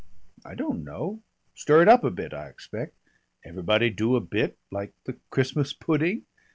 "I don't know. Stir it up a bit, I expect. Everybody do a bit like the Christmas pudding."